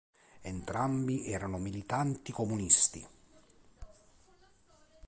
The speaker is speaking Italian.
Entrambi erano militanti comunisti.